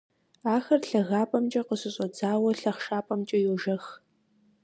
Ахэр лъагапӀэмкӀэ къыщыщӀэдзауэ лъахъшапӀэмкӀэ йожэх.